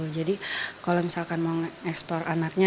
jadi kalau misalkan mau ekspor anaknya